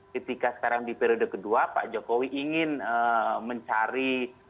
ketika sekarang di periode kedua pak jokowi ingin mencari